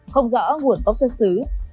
không rõ nguồn bốc xuất xứ